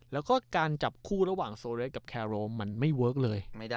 แล้วก็การจับคู่ระหว่างโซเรสกับแคโรมมันไม่เวิร์คเลย